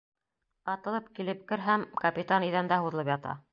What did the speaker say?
Атылып килеп керһәм, капитан иҙәндә һуҙылып ята.